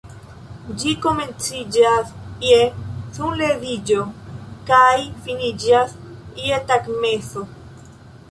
Ĝi komenciĝas je sunleviĝo kaj finiĝas je tagmezo.